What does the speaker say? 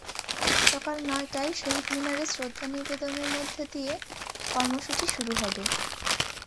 সকাল নয়টায় শহীদ মিনারে শ্রদ্ধা নিবেদনের মধ্য দিয়ে কর্মসূচি শুরু হবে।